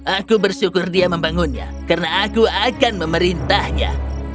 aku bersyukur dia membangunnya karena aku akan memerintahnya